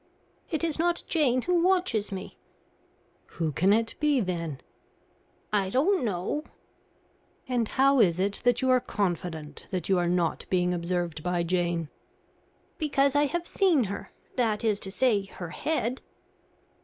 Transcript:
"It is not Jane who watches me." "Who can it be, then?" "I don't know." "And how is it that you are confident that you are not being observed by Jane?" "Because I have seen her that is to say, her head."